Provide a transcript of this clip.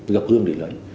gặp hương để lấy